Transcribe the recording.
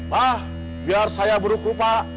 bah biar saya buruk rupa